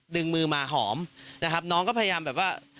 ดึงมือมาหอมนะครับน้องก็พยายามแบบว่า